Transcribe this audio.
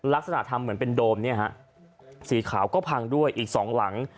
ลักษณะทำเหมือนเป็นโดมสีขาวก็พังด้วยอีก๒หลัง